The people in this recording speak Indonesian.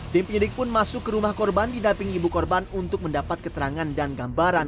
tim penyidik pun masuk ke rumah korban di daping ibu korban untuk mendapat keterangan dan gambaran